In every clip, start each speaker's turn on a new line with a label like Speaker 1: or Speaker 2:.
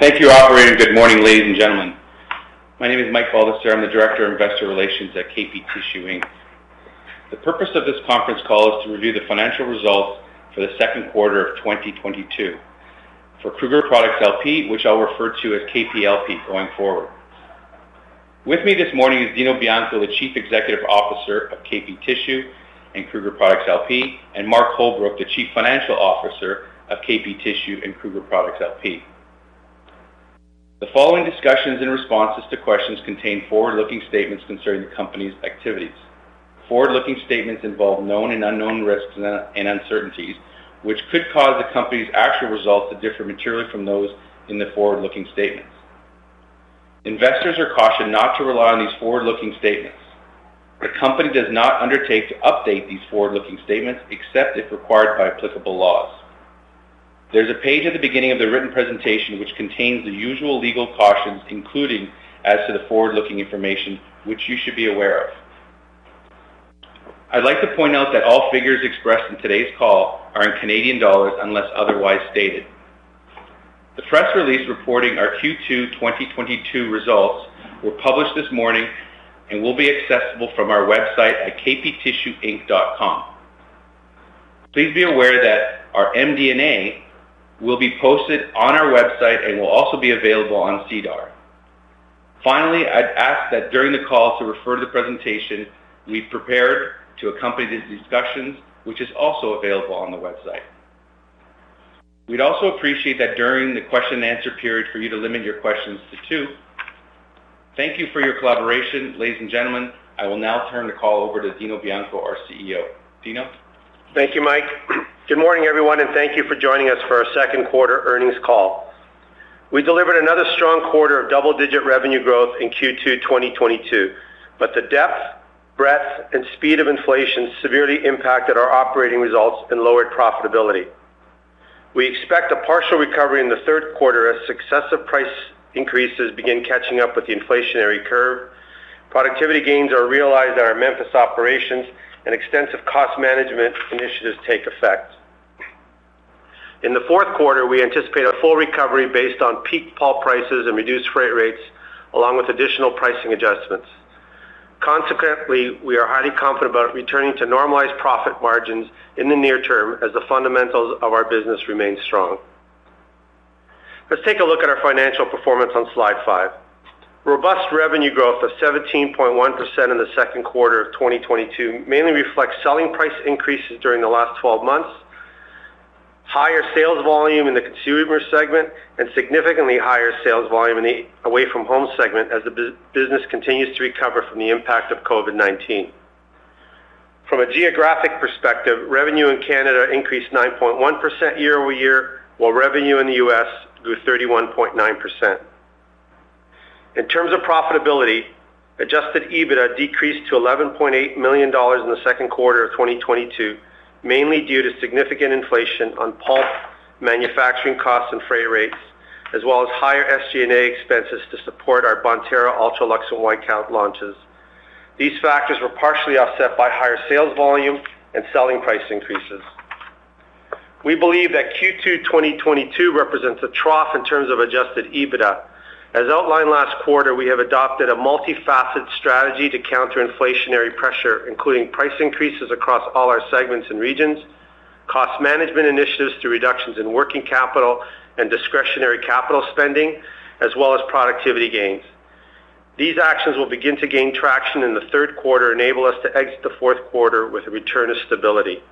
Speaker 1: Thank you, operator. Good morning, ladies and gentlemen. My name is Mike Baldesarra. I'm the Director of Investor Relations at KP Tissue Inc. The purpose of this conference call is to review the financial results for the second quarter of 2022 for Kruger Products L.P., which I'll refer to as KPLP going forward. With me this morning is Dino Bianco, the Chief Executive Officer of KP Tissue and Kruger Products L.P., and Mark Holbrook, the Chief Financial Officer of KP Tissue and Kruger Products L.P. The following discussions and responses to questions contain forward-looking statements concerning the company's activities. Forward-looking statements involve known and unknown risks and uncertainties, which could cause the company's actual results to differ materially from those in the forward-looking statements. Investors are cautioned not to rely on these forward-looking statements. The company does not undertake to update these forward-looking statements, except if required by applicable laws. There's a page at the beginning of the written presentation which contains the usual legal cautions, including as to the forward-looking information, which you should be aware of. I'd like to point out that all figures expressed in today's call are in Canadian dollars, unless otherwise stated. The press release reporting our Q2 2022 results were published this morning and will be accessible from our website at kptissueinc.com. Please be aware that our MD&A will be posted on our website and will also be available on SEDAR. Finally, I'd ask that during the call to refer to the presentation we've prepared to accompany these discussions, which is also available on the website. We'd also appreciate that during the question and answer period for you to limit your questions to two. Thank you for your collaboration. Ladies and gentlemen, I will now turn the call over to Dino Bianco, our CEO. Dino.
Speaker 2: Thank you, Mike. Good morning, everyone, and thank you for joining us for our second quarter earnings call. We delivered another strong quarter of double-digit revenue growth in Q2 2022, but the depth, breadth, and speed of inflation severely impacted our operating results and lowered profitability. We expect a partial recovery in the third quarter as successive price increases begin catching up with the inflationary curve, productivity gains are realized at our Memphis operations, and extensive cost management initiatives take effect. In the fourth quarter, we anticipate a full recovery based on peak pulp prices and reduced freight rates, along with additional pricing adjustments. Consequently, we are highly confident about returning to normalized profit margins in the near term as the fundamentals of our business remain strong. Let's take a look at our financial performance on slide 5. Robust revenue growth of 17.1% in the second quarter of 2022 mainly reflects selling price increases during the last twelve months, higher sales volume in the consumer segment, and significantly higher sales volume in the away from home segment as the business continues to recover from the impact of COVID-19. From a geographic perspective, revenue in Canada increased 9.1% year-over-year, while revenue in the US grew 31.9%. In terms of profitability, adjusted EBITDA decreased to 11.8 million dollars in the second quarter of 2022, mainly due to significant inflation on pulp manufacturing costs and freight rates, as well as higher SG&A expenses to support our Bonterra UltraLuxe and White Cloud launches. These factors were partially offset by higher sales volume and selling price increases. We believe that Q2 2022 represents a trough in terms of Adjusted EBITDA. As outlined last quarter, we have adopted a multi-faceted strategy to counter inflationary pressure, including price increases across all our segments and regions, cost management initiatives through reductions in working capital and discretionary capital spending, as well as productivity gains. These actions will begin to gain traction in the third quarter, enable us to exit the fourth quarter with a return of stability.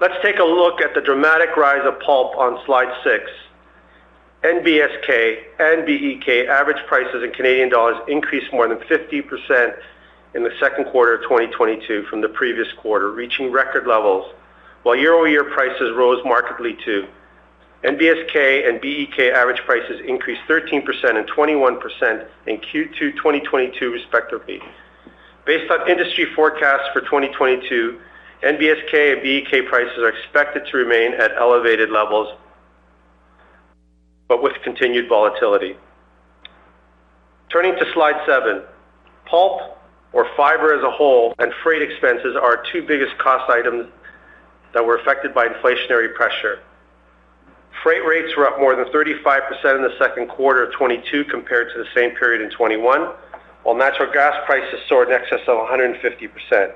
Speaker 2: Let's take a look at the dramatic rise of pulp on slide 6. NBSK and BEK average prices in CAD increased more than 50% in the second quarter of 2022 from the previous quarter, reaching record levels, while year-over-year prices rose markedly too. NBSK and BEK average prices increased 13% and 21% in Q2 2022 respectively. Based on industry forecasts for 2022, NBSK and BEK prices are expected to remain at elevated levels, but with continued volatility. Turning to slide 7, pulp or fiber as a whole and freight expenses are our two biggest cost items that were affected by inflationary pressure. Freight rates were up more than 35% in the second quarter of 2022 compared to the same period in 2021, while natural gas prices soared in excess of 150%.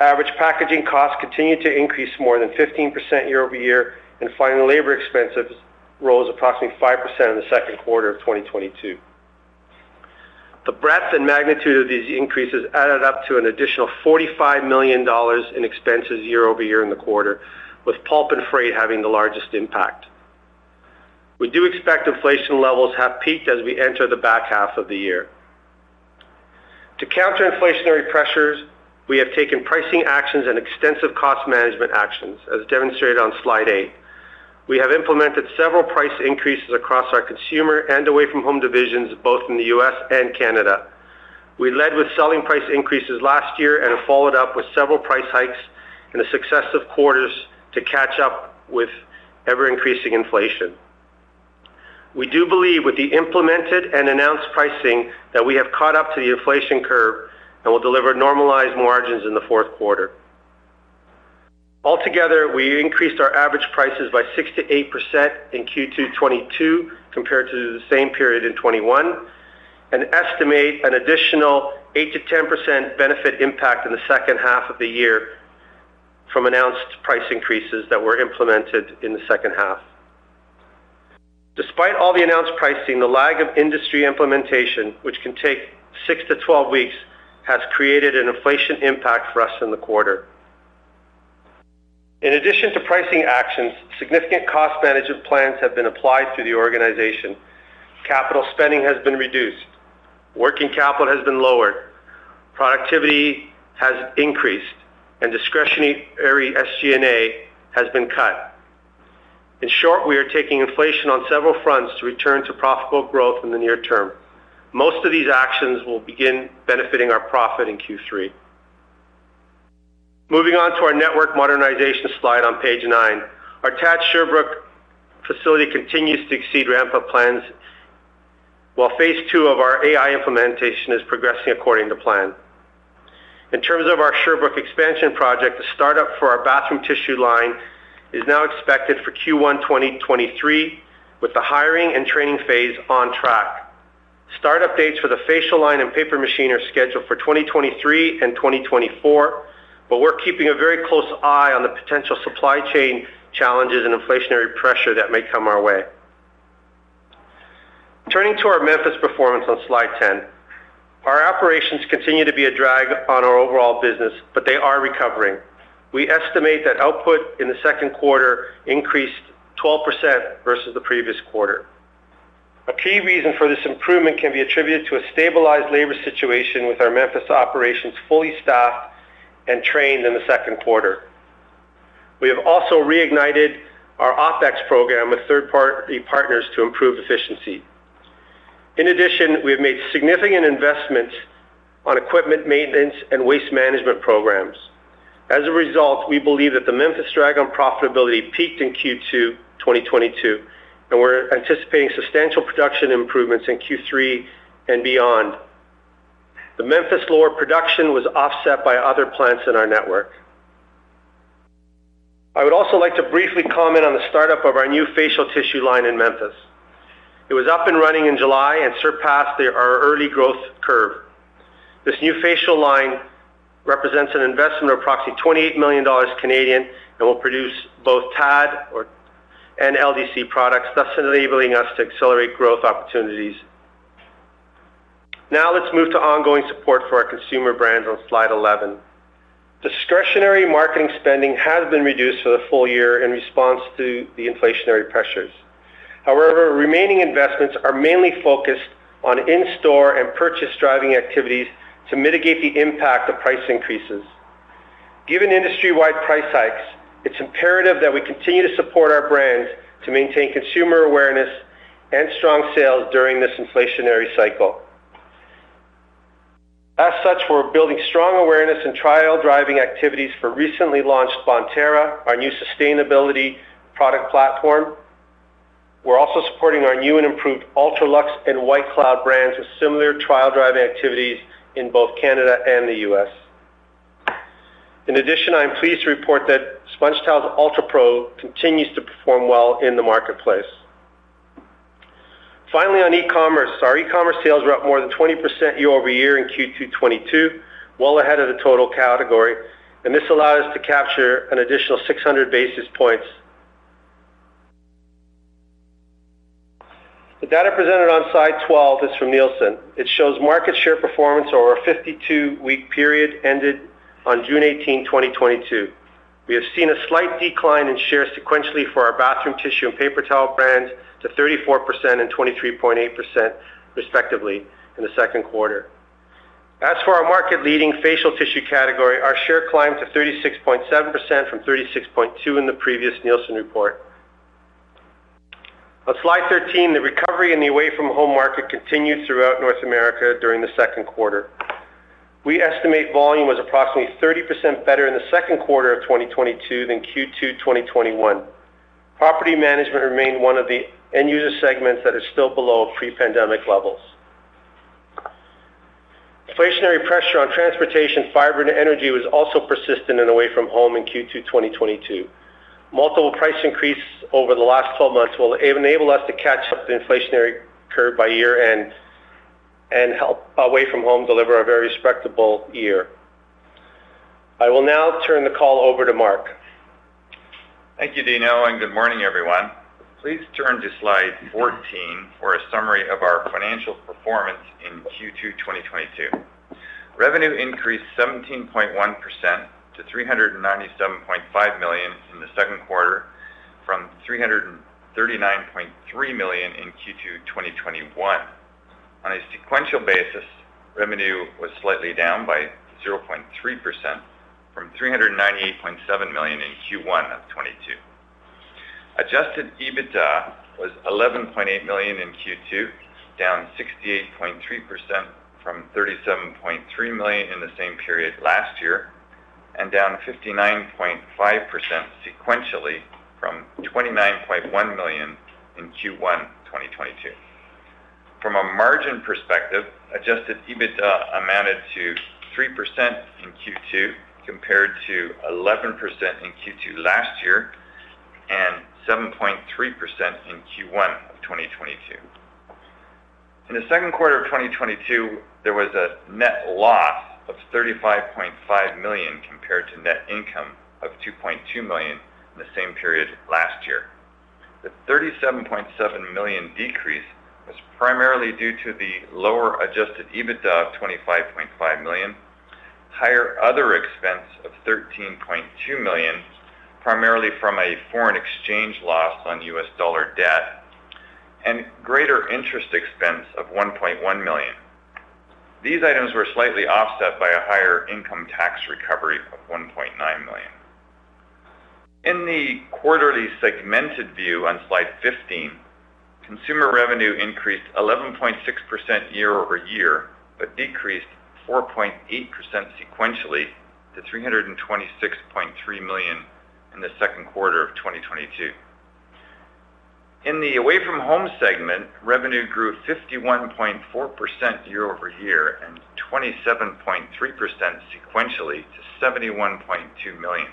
Speaker 2: Average packaging costs continued to increase more than 15% year-over-year, and finally, labor expenses rose approximately 5% in the second quarter of 2022. The breadth and magnitude of these increases added up to an additional 45 million dollars in expenses year-over-year in the quarter, with pulp and freight having the largest impact. We do expect inflation levels have peaked as we enter the back half of the year. To counter inflationary pressures, we have taken pricing actions and extensive cost management actions, as demonstrated on slide eight. We have implemented several price increases across our consumer and away from home divisions, both in the U.S. and Canada. We led with selling price increases last year and have followed up with several price hikes in the successive quarters to catch up with ever-increasing inflation. We do believe with the implemented and announced pricing that we have caught up to the inflation curve and will deliver normalized margins in the fourth quarter. Altogether, we increased our average prices by 6%-8% in Q2 2022 compared to the same period in 2021, and estimate an additional 8%-10% benefit impact in the second half of the year from announced price increases that were implemented in the second half. Despite all the announced pricing, the lag of industry implementation, which can take 6-12 weeks, has created an inflation impact for us in the quarter. In addition to pricing actions, significant cost management plans have been applied to the organization. Capital spending has been reduced, working capital has been lowered, productivity has increased, and discretionary SG&A has been cut. In short, we are taking inflation on several fronts to return to profitable growth in the near term. Most of these actions will begin benefiting our profit in Q3. Moving on to our network modernization slide on page 9. Our TAD Sherbrooke facility continues to exceed ramp-up plans, while phase II of our AI implementation is progressing according to plan. In terms of our Sherbrooke expansion project, the start-up for our bathroom tissue line is now expected for Q1 2023, with the hiring and training phase on track. Start-up dates for the facial line and paper machine are scheduled for 2023 and 2024, but we're keeping a very close eye on the potential supply chain challenges and inflationary pressure that may come our way. Turning to our Memphis performance on slide 10. Our operations continue to be a drag on our overall business, but they are recovering. We estimate that output in the second quarter increased 12% versus the previous quarter. A key reason for this improvement can be attributed to a stabilized labor situation with our Memphis operations fully staffed and trained in the second quarter. We have also reignited our OpEx program with third-party partners to improve efficiency. In addition, we have made significant investments on equipment maintenance and waste management programs. As a result, we believe that the Memphis drag on profitability peaked in Q2 2022, and we're anticipating substantial production improvements in Q3 and beyond. The Memphis lower production was offset by other plants in our network. I would also like to briefly comment on the start-up of our new facial tissue line in Memphis. It was up and running in July and surpassed our early growth curve. This new facial line represents an investment of approximately 28 million Canadian dollars and will produce both TAD and LDC products, thus enabling us to accelerate growth opportunities. Now let's move to ongoing support for our consumer brands on slide 11. Discretionary marketing spending has been reduced for the full year in response to the inflationary pressures. However, remaining investments are mainly focused on in-store and purchase-driving activities to mitigate the impact of price increases. Given industry-wide price hikes, it's imperative that we continue to support our brands to maintain consumer awareness and strong sales during this inflationary cycle. As such, we're building strong awareness and trial-driving activities for recently launched Bonterra, our new sustainability product platform. We're also supporting our new and improved UltraLuxe and White Cloud brands with similar trial-drive activities in both Canada and the U.S. In addition, I am pleased to report that SpongeTowels UltraPRO continues to perform well in the marketplace. Finally, on e-commerce. Our e-commerce sales were up more than 20% year-over-year in Q2 2022, well ahead of the total category, and this allowed us to capture an additional 600 basis points. The data presented on slide 12 is from Nielsen. It shows market share performance over a 52-week period ended on June 18, 2022. We have seen a slight decline in shares sequentially for our bathroom tissue and paper towel brands to 34% and 23.8% respectively in the second quarter. As for our market-leading facial tissue category, our share climbed to 36.7% from 36.2% in the previous Nielsen report. On slide 13, the recovery in the away-from-home market continued throughout North America during the second quarter. We estimate volume was approximately 30% better in the second quarter of 2022 than Q2 2021. Property management remained one of the end-user segments that is still below pre-pandemic levels. Inflationary pressure on transportation, fiber, and energy was also persistent in away from home in Q2 2022. Multiple price increases over the last twelve months will enable us to catch up the inflationary curve by year-end and help away from home deliver a very respectable year. I will now turn the call over to Mark.
Speaker 3: Thank you, Dino, and good morning, everyone. Please turn to slide 14 for a summary of our financial performance in Q2 2022. Revenue increased 17.1% to 397.5 million in the second quarter from 339.3 million in Q2 2021. On a sequential basis, revenue was slightly down by 0.3% from 398.7 million in Q1 of 2022. Adjusted EBITDA was 11.8 million in Q2, down 68.3% from 37.3 million in the same period last year. Down 59.5% sequentially from 29.1 million in Q1 2022. From a margin perspective, adjusted EBITDA amounted to 3% in Q2 compared to 11% in Q2 last year and 7.3% in Q1 of 2022. In the second quarter of 2022, there was a net loss of 35.5 million compared to net income of 2.2 million in the same period last year. The 37.7 million decrease was primarily due to the lower Adjusted EBITDA of 25.5 million, higher other expense of 13.2 million, primarily from a foreign exchange loss on U.S. dollar debt, and greater interest expense of 1.1 million. These items were slightly offset by a higher income tax recovery of 1.9 million. In the quarterly segmented view on slide 15, consumer revenue increased 11.6% year-over-year, but decreased 4.8% sequentially to 326.3 million in the second quarter of 2022. In the away-from-home segment, revenue grew 51.4% year-over-year and 27.3% sequentially to 71.2 million.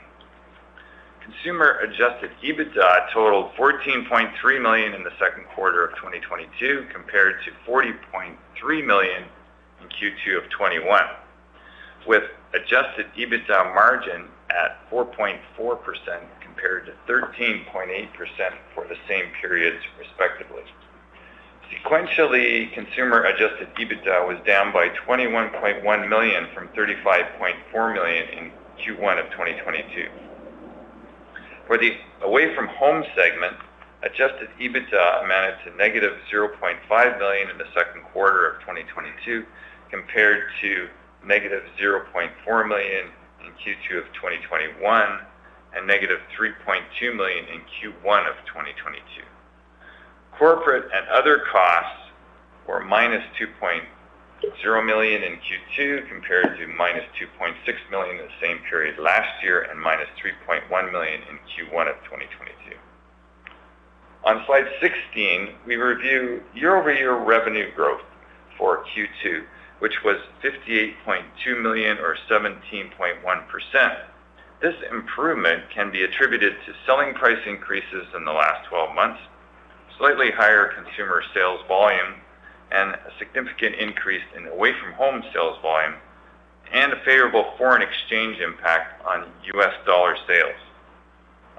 Speaker 3: Consumer Adjusted EBITDA totaled 14.3 million in the second quarter of 2022 compared to 40.3 million in Q2 of 2021, with Adjusted EBITDA margin at 4.4% compared to 13.8% for the same periods, respectively. Sequentially, Consumer Adjusted EBITDA was down by 21.1 million from 35.4 million in Q1 of 2022. For the away-from-home segment, Adjusted EBITDA amounted to -0.5 million in the second quarter of 2022 compared to -0.4 million in Q2 of 2021 and -3.2 million in Q1 of 2022. Corporate and other costs were -2.0 million in Q2 compared to -2.6 million in the same period last year and -3.1 million in Q1 of 2022. On slide 16, we review year-over-year revenue growth for Q2, which was 58.2 million or 17.1%. This improvement can be attributed to selling price increases in the last twelve months, slightly higher consumer sales volume, and a significant increase in away-from-home sales volume, and a favorable foreign exchange impact on U.S. dollar sales.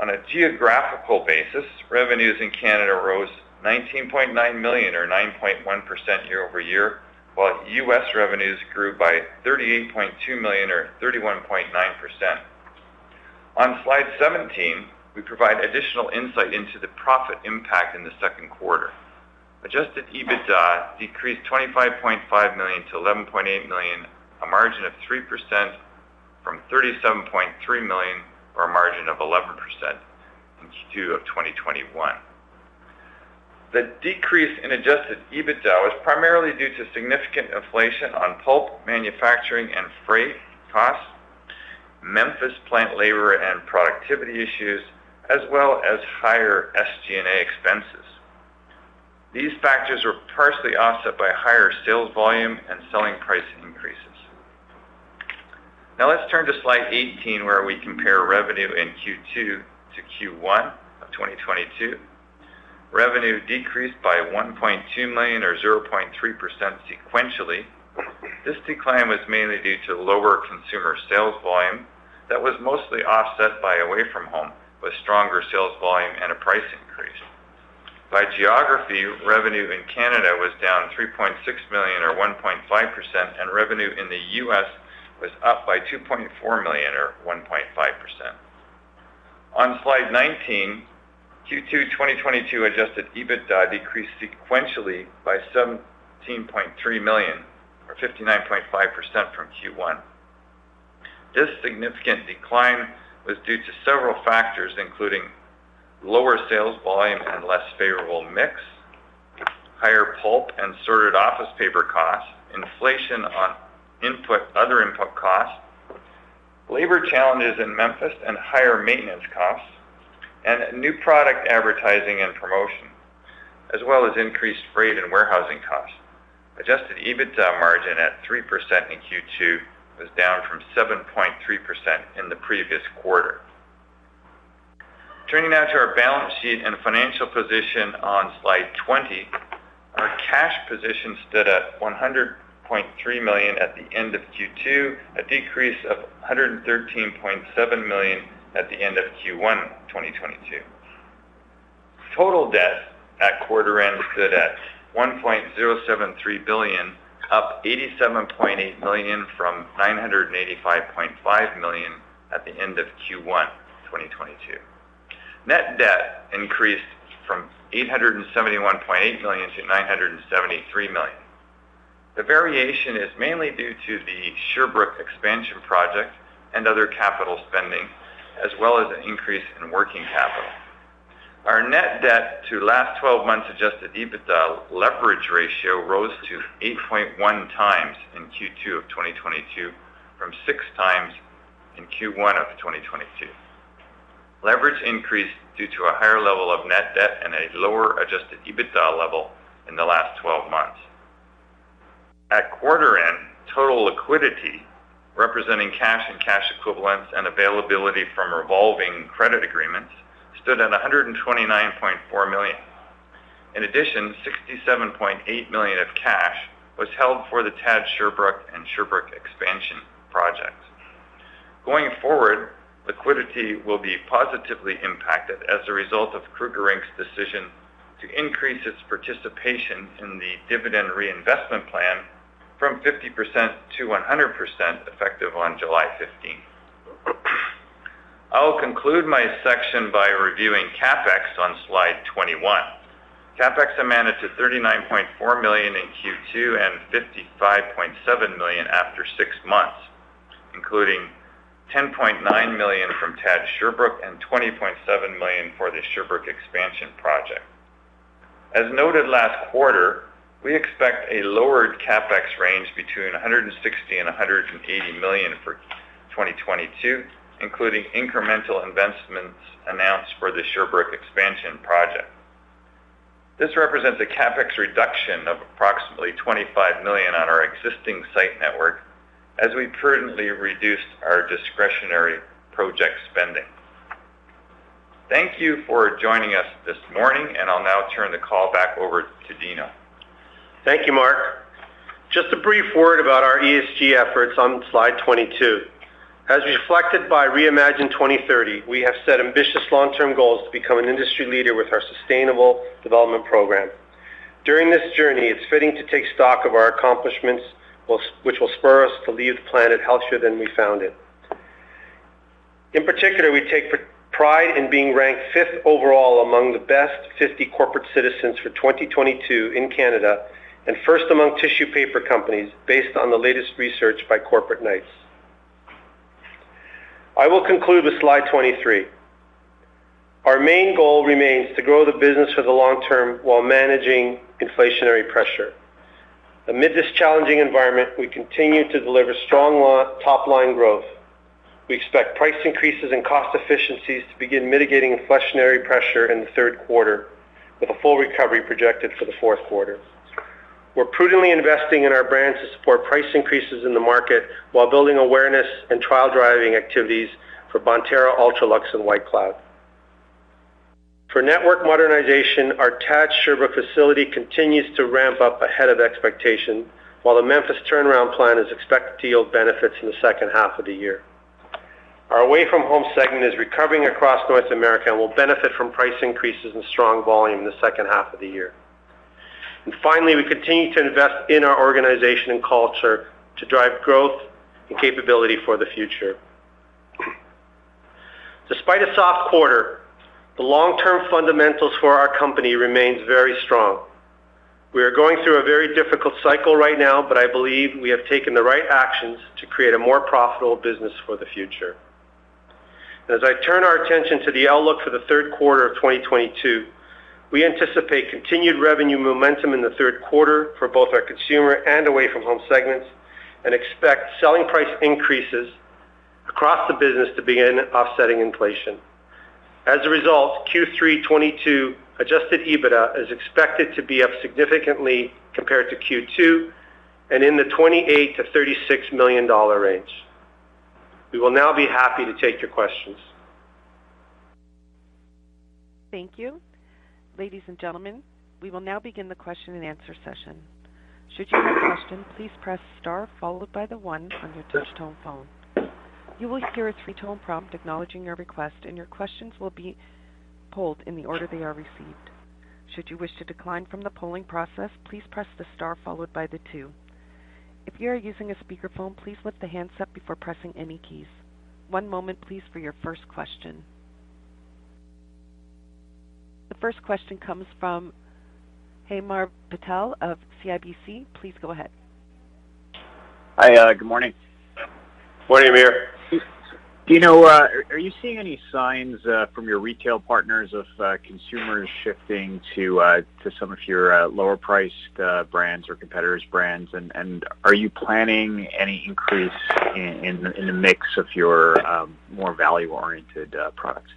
Speaker 3: On a geographical basis, revenues in Canada rose 19.9 million or 9.1% year-over-year, while U.S. revenues grew by 38.2 million or 31.9%. On slide 17, we provide additional insight into the profit impact in the second quarter. Adjusted EBITDA decreased 25.5 million to 11.8 million, a margin of 3% from 37.3 million or a margin of 11% in Q2 of 2021. The decrease in adjusted EBITDA was primarily due to significant inflation on pulp manufacturing and freight costs, Memphis plant labor and productivity issues, as well as higher SG&A expenses. These factors were partially offset by higher sales volume and selling price increases. Now let's turn to slide 18, where we compare revenue in Q2 to Q1 of 2022. Revenue decreased by 1.2 million or 0.3% sequentially. This decline was mainly due to lower consumer sales volume that was mostly offset by away-from-home, with stronger sales volume and a price increase. By geography, revenue in Canada was down 3.6 million or 1.5%, and revenue in the U.S. was up by 2.4 million or 1.5%. On slide 19, Q2 2022 Adjusted EBITDA decreased sequentially by 17.3 million or 59.5% from Q1. This significant decline was due to several factors, including lower sales volume and less favorable mix, higher pulp and sorted office paper costs, inflation on other input costs, labor challenges in Memphis and higher maintenance costs, and new product advertising and promotion, as well as increased freight and warehousing costs. Adjusted EBITDA margin at 3% in Q2 was down from 7.3% in the previous quarter. Turning now to our balance sheet and financial position on slide 20, our cash position stood at 100.3 million at the end of Q2, a decrease of 113.7 million at the end of Q1 2022. Total debt at quarter end stood at 1.073 billion, up 87.8 million from 985.5 million at the end of Q1 2022. Net debt increased from 871.8 million to 973 million. The variation is mainly due to the Sherbrooke expansion project and other capital spending, as well as an increase in working capital. Our net debt to last 12 months Adjusted EBITDA leverage ratio rose to 8.1 times in Q2 of 2022 from 6 times in Q1 of 2022. Leverage increased due to a higher level of net debt and a lower Adjusted EBITDA level in the last twelve months. At quarter end, total liquidity representing cash and cash equivalents and availability from revolving credit agreements stood at 129.4 million. In addition, 67.8 million of cash was held for the TAD Sherbrooke and Sherbrooke expansion projects. Going forward, liquidity will be positively impacted as a result of Kruger Inc.'s decision to increase its participation in the dividend reinvestment plan from 50%-100% effective on July 15. I'll conclude my section by reviewing CapEx on slide 21. CapEx amounted to 39.4 million in Q2 and 55.7 million after six months, including 10.9 million from TAD Sherbrooke and 20.7 million for the Sherbrooke expansion project. As noted last quarter, we expect a lowered CapEx range between 160 million and 180 million for 2022, including incremental investments announced for the Sherbrooke expansion project. This represents a CapEx reduction of approximately 25 million on our existing site network as we prudently reduced our discretionary project spending. Thank you for joining us this morning, and I'll now turn the call back over to Dino.
Speaker 2: Thank you, Mark. Just a brief word about our ESG efforts on slide 22. As reflected by Reimagine 2030, we have set ambitious long-term goals to become an industry leader with our sustainable development program. During this journey, it's fitting to take stock of our accomplishments which will spur us to leave the planet healthier than we found it. In particular, we take pride in being ranked fifth overall among the best 50 corporate citizens for 2022 in Canada and first among tissue paper companies based on the latest research by Corporate Knights. I will conclude with slide 23. Our main goal remains to grow the business for the long term while managing inflationary pressure. Amid this challenging environment, we continue to deliver strong albeit top-line growth. We expect price increases and cost efficiencies to begin mitigating inflationary pressure in the third quarter, with a full recovery projected for the fourth quarter. We're prudently investing in our brands to support price increases in the market while building awareness and trial driving activities for Bonterra, UltraLuxe, and White Cloud. For network modernization, our TAD Sherbrooke facility continues to ramp up ahead of expectation, while the Memphis turnaround plan is expected to yield benefits in the second half of the year. Our away-from-home segment is recovering across North America and will benefit from price increases and strong volume in the second half of the year. Finally, we continue to invest in our organization and culture to drive growth and capability for the future. Despite a soft quarter, the long-term fundamentals for our company remains very strong. We are going through a very difficult cycle right now, but I believe we have taken the right actions to create a more profitable business for the future. As I turn our attention to the outlook for the third quarter of 2022, we anticipate continued revenue momentum in the third quarter for both our consumer and away-from-home segments and expect selling price increases across the business to begin offsetting inflation. As a result, Q3 2022 Adjusted EBITDA is expected to be up significantly compared to Q2 and in the 28 million-36 million dollar range. We will now be happy to take your questions.
Speaker 4: Thank you. Ladies and gentlemen, we will now begin the question and answer session. Should you have questions, please press star followed by the one on your touchtone phone. You will hear a three-tone prompt acknowledging your request, and your questions will be polled in the order they are received. Should you wish to decline from the polling process, please press the star followed by the two. If you are using a speakerphone, please lift the handset before pressing any keys. One moment please for your first question. The first question comes from Hamir Patel of CIBC. Please go ahead.
Speaker 5: Hi. Good morning.
Speaker 2: Morning, Hamir.
Speaker 5: Dino, are you seeing any signs from your retail partners of consumers shifting to some of your lower priced brands or competitors brands? Are you planning any increase in the mix of your more value-oriented products?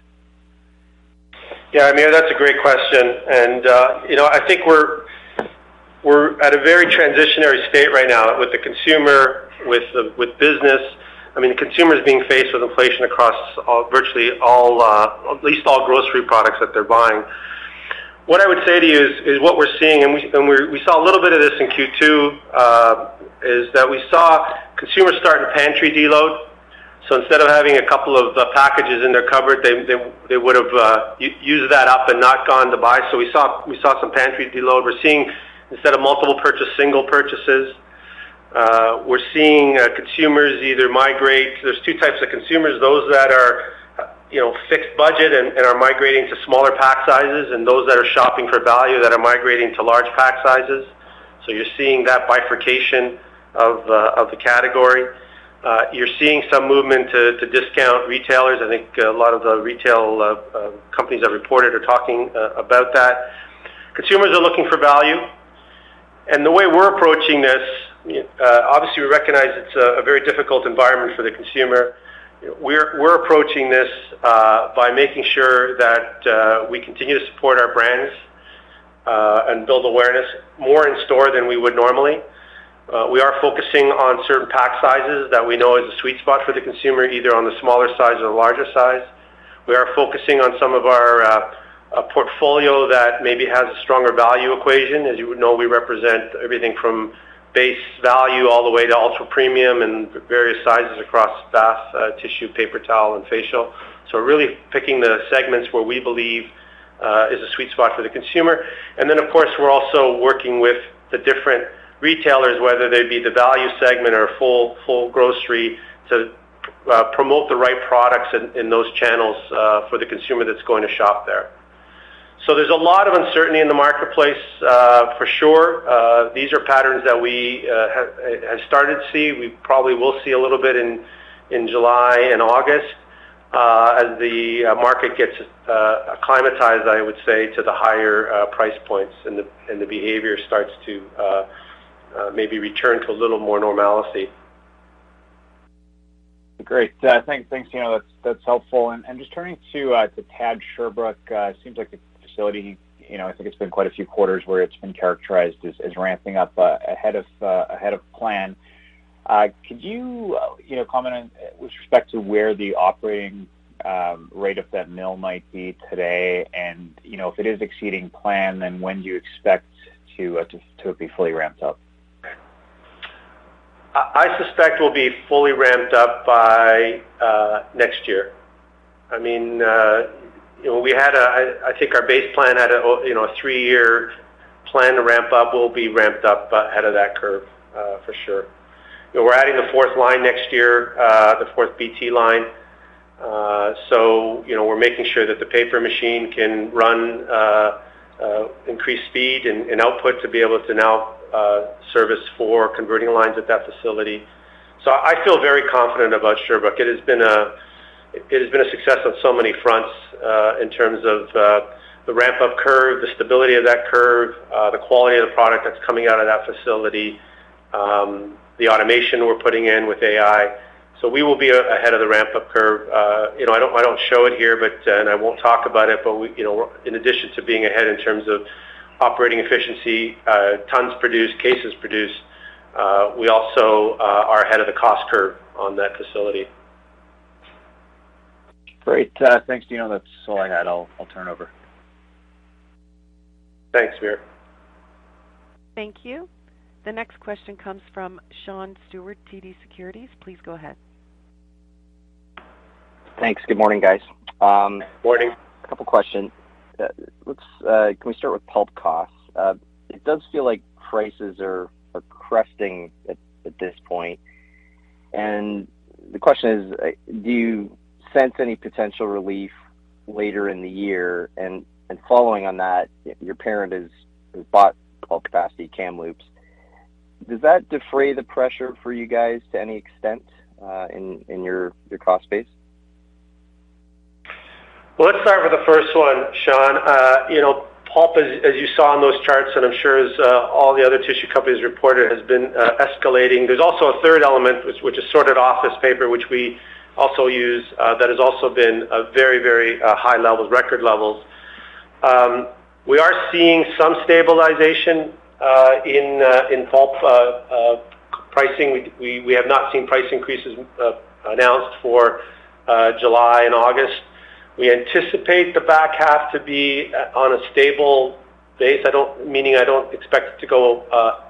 Speaker 2: Yeah, Hamir, that's a great question. You know, I think we're at a very transitional state right now with the consumer, with business. I mean, consumers being faced with inflation across virtually all, at least all grocery products that they're buying. What I would say to you is what we're seeing, and we saw a little bit of this in Q2, is that we saw consumers starting to pantry deload. So instead of having a couple of packages in their cupboard, they would've used that up and not gone to buy. So we saw some pantry deload. We're seeing instead of multiple purchases, single purchases. We're seeing consumers either migrate. There's two types of consumers, those that are fixed budget and are migrating to smaller pack sizes, and those that are shopping for value that are migrating to large pack sizes. You're seeing that bifurcation of the category. You're seeing some movement to discount retailers. I think a lot of the retail companies that reported are talking about that. Consumers are looking for value. The way we're approaching this, obviously, we recognize it's a very difficult environment for the consumer. We're approaching this by making sure that we continue to support our brands and build awareness more in store than we would normally. We are focusing on certain pack sizes that we know is a sweet spot for the consumer, either on the smaller size or larger size. We are focusing on some of our portfolio that maybe has a stronger value equation. As you would know, we represent everything from base value all the way to ultra premium and various sizes across bath, tissue, paper towel, and facial. Really picking the segments where we believe is a sweet spot for the consumer. Of course, we're also working with the different retailers, whether they be the value segment or full grocery, to promote the right products in those channels for the consumer that's going to shop there. There's a lot of uncertainty in the marketplace for sure. These are patterns that we have started to see. We probably will see a little bit in July and August as the market gets acclimatized, I would say, to the higher price points and the behavior starts to maybe return to a little more normalcy.
Speaker 5: Great. Thanks, Dino. That's helpful. Just turning to the TAD Sherbrooke, it seems like the facility, I think it's been quite a few quarters where it's been characterized as ramping up ahead of plan. Could you comment with respect to where the operating rate of that mill might be today? If it is exceeding plan, then when do you expect to be fully ramped up?
Speaker 2: I suspect we'll be fully ramped up by next year. I mean, we had, I think our base plan had a three-year plan to ramp up. We'll be ramped up ahead of that curve for sure. We're adding the fourth line next year, the fourth BT line. We're making sure that the paper machine can run increased speed and output to be able to now service four converting lines at that facility. I feel very confident about Sherbrooke. It has been a success on so many fronts in terms of the ramp up curve, the stability of that curve, the quality of the product that's coming out of that facility, the automation we're putting in with AI. We will be ahead of the ramp up curve. I don't show it here, and I won't talk about it, but in addition to being ahead in terms of operating efficiency, tons produced, cases produced, we also are ahead of the cost curve on that facility.
Speaker 5: Great. Thanks, Dino. That's all I had. I'll turn over.
Speaker 2: Thanks, Hamir.
Speaker 4: Thank you. The next question comes from Sean Steuart, TD Securities. Please go ahead.
Speaker 6: Thanks. Good morning, guys.
Speaker 2: Morning.
Speaker 6: A couple questions. Can we start with pulp costs? It does feel like prices are cresting at this point. The question is, do you sense any potential relief later in the year? Following on that, your parent has bought all capacity Kamloops. Does that defray the pressure for you guys to any extent in your cost base?
Speaker 2: Well, let's start with the first one, Sean. Pulp, as you saw in those charts, and I'm sure as all the other tissue companies reported, has been escalating. There's also a third element, which is Sorted Office Paper, which we also use, that has also been a very, very high level, record levels. We are seeing some stabilization in pulp pricing. We have not seen price increases announced for July and August. We anticipate the back half to be on a stable base, meaning I don't expect it to go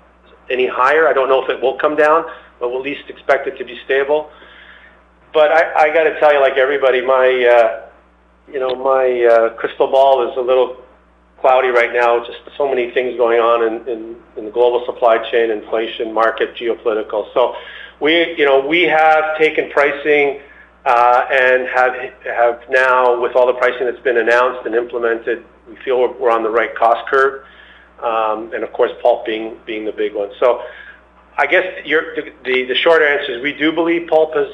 Speaker 2: any higher. I don't know if it will come down, but we'll at least expect it to be stable. I got to tell you, like everybody, my crystal ball is a little cloudy right now. Just so many things going on in the global supply chain, inflation, market, geopolitical. We have taken pricing and have now, with all the pricing that's been announced and implemented, we feel we're on the right cost curve. Of course, pulp being the big one. I guess the short answer is we do believe pulp has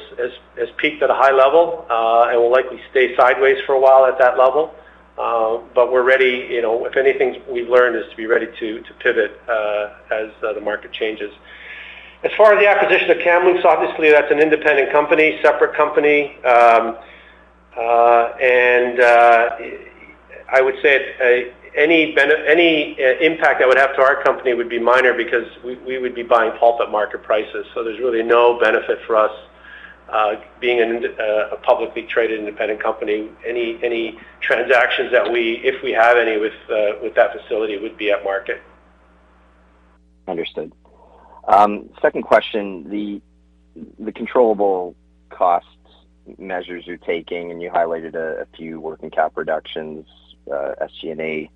Speaker 2: peaked at a high level and will likely stay sideways for a while at that level. We're ready. If anything we've learned is to be ready to pivot as the market changes. As far as the acquisition of Kamloops, obviously that's an independent company, separate company. I would say any impact that would have to our company would be minor because we would be buying pulp at market prices. There's really no benefit for us being a publicly traded independent company. Any transactions that we, if we have any with that facility, would be at market.
Speaker 6: Understood. Second question, the controllable costs measures you're taking, and you highlighted a few working cap reductions, SG&A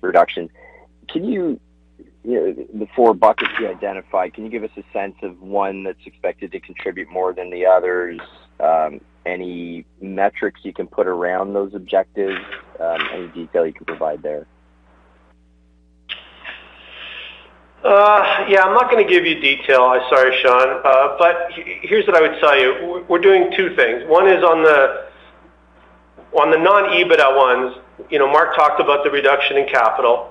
Speaker 6: reduction. Can you, the four buckets you identified, can you give us a sense of one that's expected to contribute more than the others? Any metrics you can put around those objectives? Any detail you can provide there?
Speaker 2: Yeah, I'm not gonna give you detail. Sorry, Sean. But here's what I would tell you. We're doing two things. One is on the non-EBITDA ones. You know, Mark talked about the reduction in capital.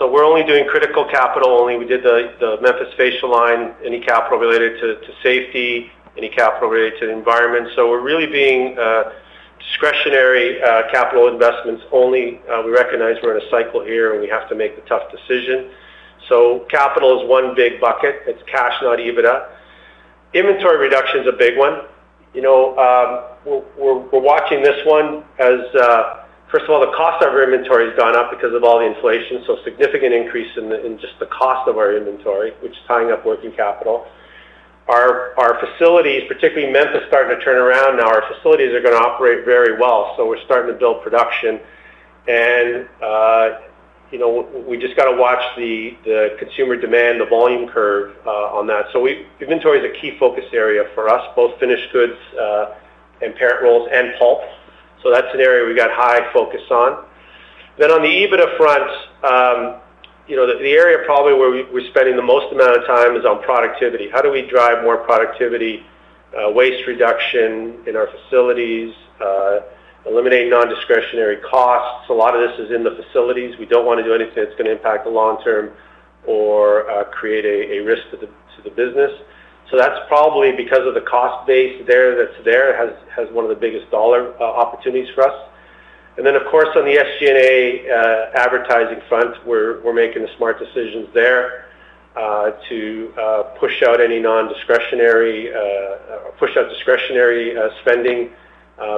Speaker 2: We're only doing critical capital only. We did the Memphis facial line, any capital related to safety, any capital related to the environment. We're really being discretionary capital investments only. We recognize we're in a cycle here, and we have to make the tough decision. Capital is one big bucket. It's cash, not EBITDA. Inventory reduction is a big one. You know, we're watching this one. First of all, the cost of our inventory has gone up because of all the inflation, so significant increase in just the cost of our inventory, which is tying up working capital. Our facilities, particularly Memphis, starting to turn around now. Our facilities are gonna operate very well, so we're starting to build production. You know, we just gotta watch the consumer demand, the volume curve on that. Inventory is a key focus area for us, both finished goods and parent rolls and pulp. That's an area we got high focus on. On the EBITDA front, the area probably where we're spending the most amount of time is on productivity. How do we drive more productivity, waste reduction in our facilities, eliminate non-discretionary costs? A lot of this is in the facilities. We don't wanna do anything that's gonna impact the long term or create a risk to the business. That's probably because of the cost base there that has one of the biggest dollar opportunities for us. Then, of course, on the SG&A advertising front, we're making the smart decisions there to push out discretionary spending,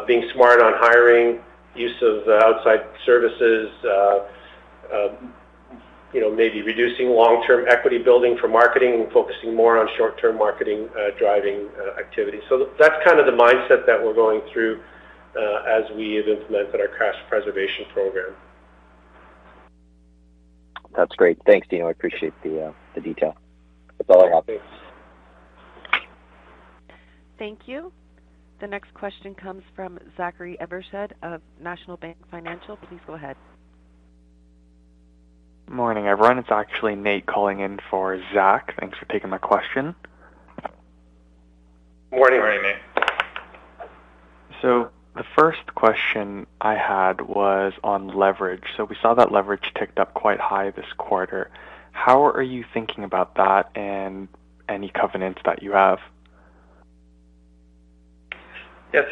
Speaker 2: being smart on hiring, use of outside services, you know, maybe reducing long-term equity building for marketing and focusing more on short-term marketing, driving activity. That's kind of the mindset that we're going through as we have implemented our cash preservation program.
Speaker 6: That's great. Thanks, Dino. I appreciate the detail. That's all I have.
Speaker 2: Thanks.
Speaker 4: Thank you. The next question comes from Zachary Evershed of National Bank Financial. Please go ahead.
Speaker 7: Morning, everyone. It's actually Nate calling in for Zachary. Thanks for taking my question.
Speaker 2: Morning.
Speaker 6: Morning, Nate.
Speaker 7: The first question I had was on leverage. We saw that leverage ticked up quite high this quarter. How are you thinking about that and any covenants that you have?
Speaker 3: Yes.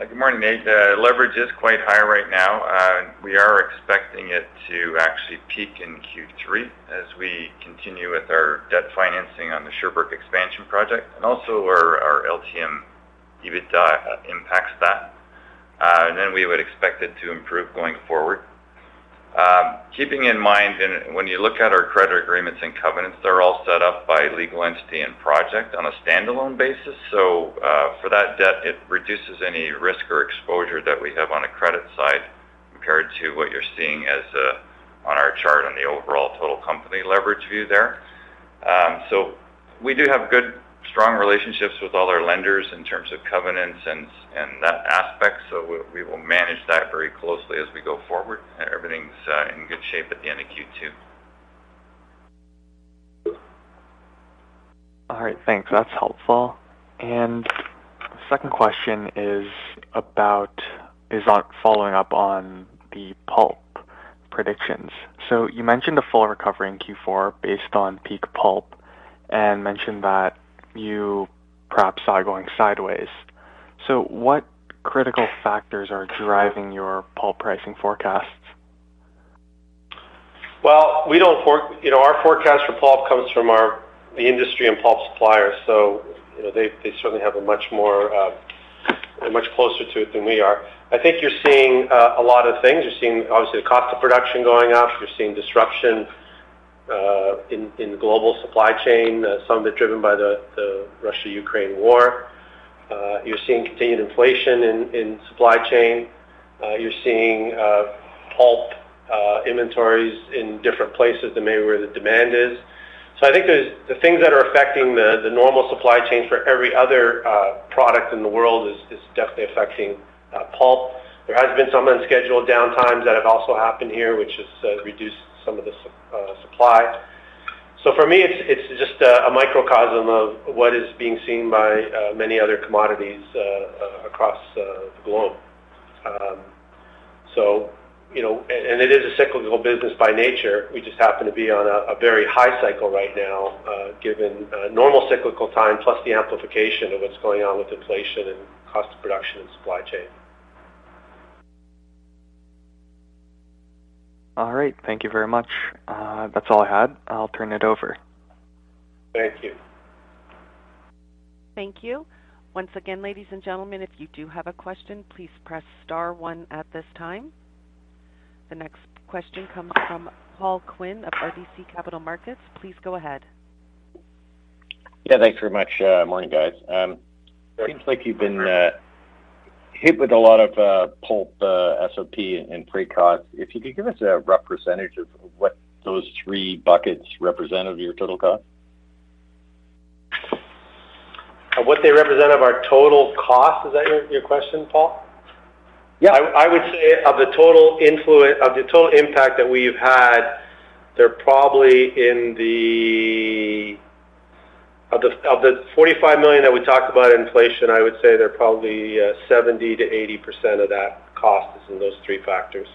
Speaker 3: Good morning, Nate. Leverage is quite high right now. We are expecting it to actually peak in Q3 as we continue with our debt financing on the Sherbrooke expansion project and also where our LTM EBITDA impacts that. We would expect it to improve going forward. Keeping in mind and when you look at our credit agreements and covenants, they're all set up by legal entity and project on a standalone basis. For that debt, it reduces any risk or exposure that we have on a credit side compared to what you're seeing as on our chart on the overall total company leverage view there. We do have good, strong relationships with all our lenders in terms of covenants and that aspect, so we will manage that very closely as we go forward. Everything's in good shape at the end of Q2.
Speaker 7: All right. Thanks. That's helpful. Second question is on following up on the pulp predictions. You mentioned the full recovery in Q4 based on peak pulp and mentioned that you perhaps are going sideways. What critical factors are driving your pulp pricing forecasts?
Speaker 2: Well, we don't, you know, our forecast for pulp comes from our, the industry and pulp suppliers. You know, they certainly have a much more, they're much closer to it than we are. I think you're seeing a lot of things. You're seeing obviously the cost of production going up. You're seeing disruption in global supply chain, some of it driven by the Russia-Ukraine war. You're seeing continued inflation in supply chain. You're seeing pulp inventories in different places than maybe where the demand is. I think the things that are affecting the normal supply chain for every other product in the world is definitely affecting pulp. There has been some unscheduled downtimes that have also happened here, which has reduced some of the supply. For me, it's just a microcosm of what is being seen by many other commodities across the globe. It is a cyclical business by nature. We just happen to be on a very high cycle right now, given normal cyclical time, plus the amplification of what's going on with inflation and cost of production and supply chain.
Speaker 7: All right. Thank you very much. That's all I had. I'll turn it over.
Speaker 2: Thank you.
Speaker 4: Thank you. Once again, ladies and gentlemen, if you do have a question, please press star one at this time. The next question comes from Paul Quinn of RBC Capital Markets. Please go ahead.
Speaker 8: Yeah, thanks very much. Morning, guys. Seems like you've been hit with a lot of pulp, SOP and freight cost. If you could give us a rough percentage of what those three buckets represent of your total cost?
Speaker 2: Of what they represent of our total cost, is that your question, Paul?
Speaker 8: Yeah.
Speaker 2: I would say of the total impact that we've had, they're probably of the 45 million that we talked about inflation. I would say they're probably 70%-80% of that cost is in those three factors.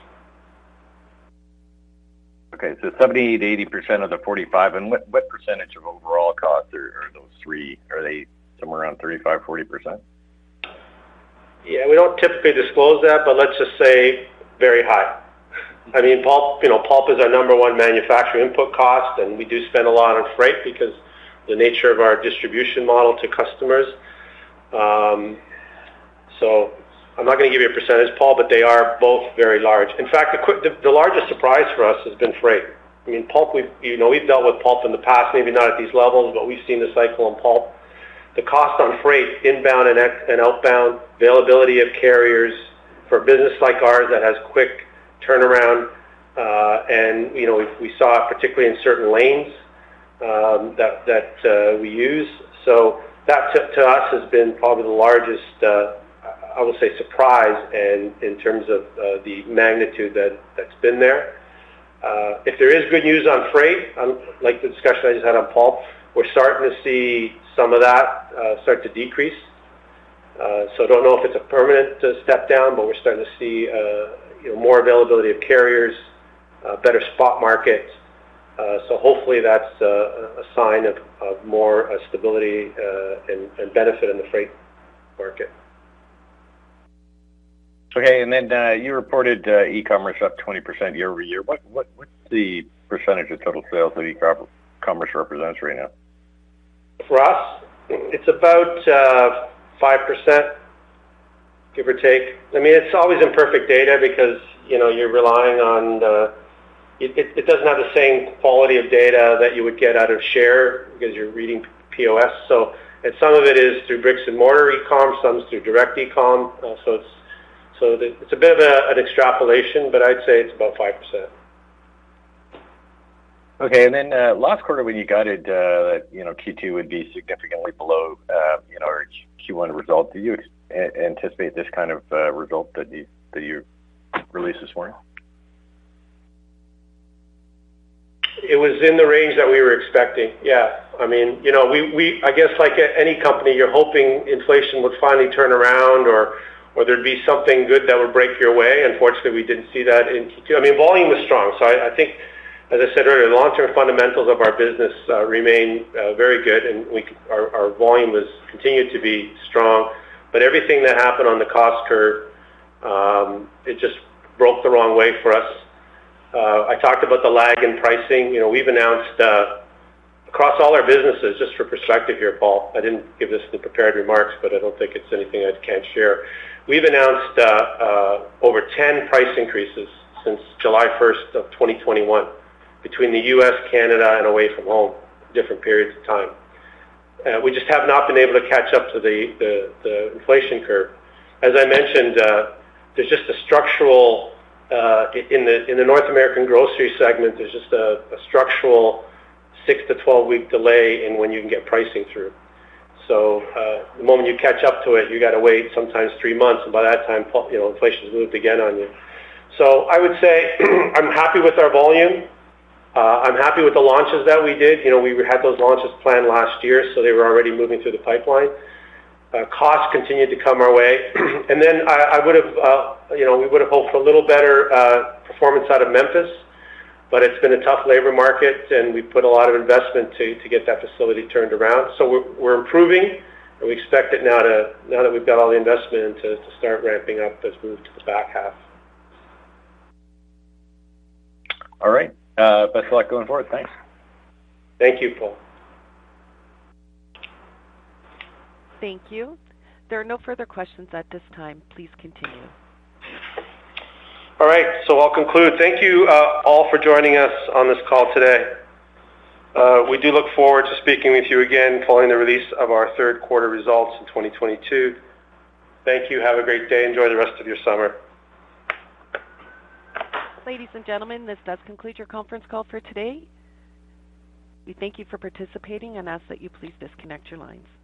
Speaker 8: Okay. 70%-80% of the 45. What percentage of overall costs are those three? Are they somewhere around 35%-40%?
Speaker 2: Yeah. We don't typically disclose that, but let's just say very high. I mean, pulp, you know, pulp is our number one manufacturing input cost, and we do spend a lot on freight because the nature of our distribution model to customers. So I'm not gonna give you a percentage, Paul, but they are both very large. In fact, the largest surprise for us has been freight. I mean, pulp, you know, we've dealt with pulp in the past, maybe not at these levels, but we've seen the cycle in pulp. The cost on freight, inbound and outbound, availability of carriers for a business like ours that has quick turnaround, and, you know, we saw particularly in certain lanes, that we use. That to us has been probably the largest I will say surprise in terms of the magnitude that's been there. If there is good news on freight, like the discussion I just had on pulp, we're starting to see some of that start to decrease. I don't know if it's a permanent step down, but we're starting to see you know more availability of carriers better spot markets. Hopefully that's a sign of more stability and benefit in the freight market.
Speaker 8: Okay. You reported e-commerce up 20% year-over-year. What's the percentage of total sales that e-commerce represents right now?
Speaker 2: For us? It's about 5%, give or take. I mean, it's always imperfect data because, you know, you're relying on. It doesn't have the same quality of data that you would get out of Nielsen because you're reading POS. Some of it is through brick and mortar e-com, some is through direct e-com. It's a bit of an extrapolation, but I'd say it's about 5%.
Speaker 8: Okay. Last quarter when you guided, you know, Q2 would be significantly below, you know, our Q1 result, do you anticipate this kind of result that you released this morning?
Speaker 2: It was in the range that we were expecting. Yeah. I mean, you know, I guess like any company, you're hoping inflation would finally turn around or there'd be something good that would break your way. Unfortunately, we didn't see that in Q2. I mean, volume was strong. So I think, as I said earlier, the long-term fundamentals of our business remain very good, and our volume continued to be strong. But everything that happened on the cost curve, it just broke the wrong way for us. I talked about the lag in pricing. You know, we've announced across all our businesses, just for perspective here, Paul, I didn't give this in the prepared remarks, but I don't think it's anything I can't share. We've announced over 10 price increases since July 1, 2021 between the U.S., Canada, and away from home, different periods of time. We just have not been able to catch up to the inflation curve. As I mentioned, there's just a structural 6- to 12-week delay in the North American grocery segment in when you can get pricing through. The moment you catch up to it, you gotta wait sometimes 3 months, and by that time, you know, inflation's moved again on you. I would say I'm happy with our volume. I'm happy with the launches that we did. You know, we had those launches planned last year, so they were already moving through the pipeline. Costs continued to come our way. I would have, you know, we would have hoped for a little better performance out of Memphis, but it's been a tough labor market, and we put a lot of investment to get that facility turned around. We're improving, and we expect it now that we've got all the investment in, to start ramping up as we move to the back half.
Speaker 8: All right. Best of luck going forward. Thanks.
Speaker 2: Thank you, Paul.
Speaker 4: Thank you. There are no further questions at this time. Please continue.
Speaker 2: All right. I'll conclude. Thank you, all for joining us on this call today. We do look forward to speaking with you again following the release of our third quarter results in 2022. Thank you. Have a great day. Enjoy the rest of your summer.
Speaker 4: Ladies and gentlemen, this does conclude your conference call for today. We thank you for participating and ask that you please disconnect your lines.